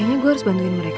semoga kalian baik